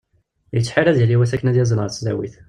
Yettḥir ad yali wass akken ad yazzel ɣer tesdawit.